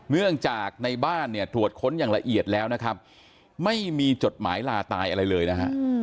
เนื่องจากในบ้านเนี่ยตรวจค้นอย่างละเอียดแล้วนะครับไม่มีจดหมายลาตายอะไรเลยนะฮะ